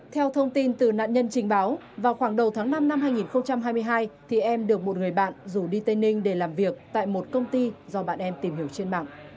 theo thông tin từ nạn nhân trình báo vào khoảng đầu tháng năm năm hai nghìn hai mươi hai thì em được một người bạn rủ đi tây ninh để làm việc tại một công ty do bạn em tìm hiểu trên mạng